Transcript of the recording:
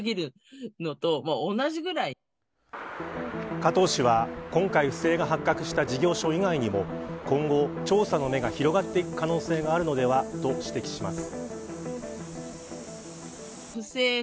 加藤氏は今回、不正が発覚した事業所以外にも今後、調査の目が広がっていく可能性があるのではと指摘します。